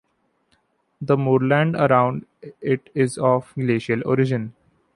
The moorland around it is of glacial origin.